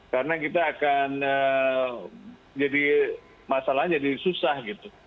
karena kita akan jadi masalahnya jadi susah gitu